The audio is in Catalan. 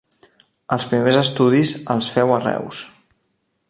Els primers estudis els féu a Reus.